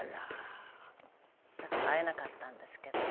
だから会えなかったんですけども。